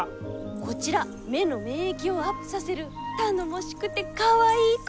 こちら目の免疫をアップさせる頼もしくてかわいい子。